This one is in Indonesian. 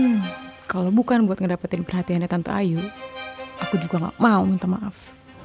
hmm kalau bukan buat ngedapetin perhatiannya tante ayu aku juga gak mau minta maaf